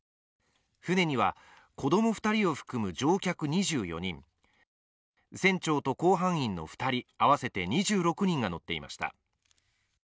船には子供２人を含む乗客２４人、船長と甲板員の２人、合わせて２６人が乗っていました。